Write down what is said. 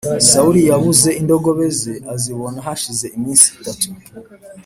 sawuli yabuze indogobe ze azibona hashije iminsi itatu